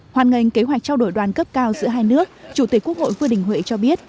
hoàn ngành kế hoạch trao đổi đoàn cấp cao giữa hai nước chủ tịch quốc hội vương đình huệ cho biết